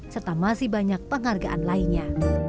serta masih banyak penghargaan lainnya